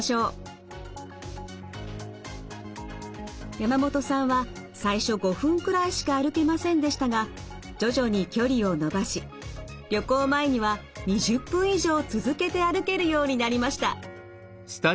山本さんは最初５分くらいしか歩けませんでしたが徐々に距離を伸ばし旅行前には２０分以上続けて歩けるようになりました。